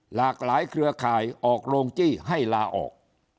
หลากหลายเครือข่ายออกโรงจี้ให้ลาออก